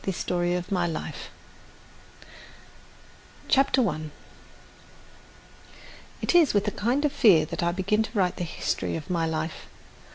THE STORY OF MY LIFE CHAPTER I It is with a kind of fear that I begin to write the history of my life.